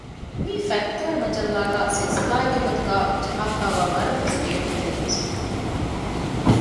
މިއީ ފަތްތޫރަ މަޖައްލާގައި ސިލްސިލާއެއްގެ ގޮތުގައި ޖަހައިފައިވާ ވަރަށް ވެސް ބޭނުންތެރި މަޒުމޫނެއް